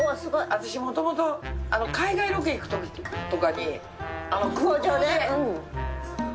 私もともと海外ロケ行くときとかに。